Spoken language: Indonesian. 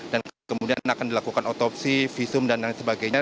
dan kemudian akan dilakukan otopsi visum dan lain sebagainya